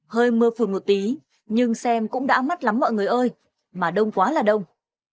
hơi mưa phùn một tí nhưng xem cũng đã mắt lắm mọi người ơi mà đông quá là đông